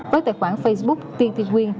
với tài khoản facebook ttq